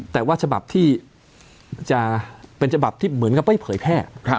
แต่ว่าฉบับที่จะเป็นฉบับที่เหมือนกับไม่เผยแพร่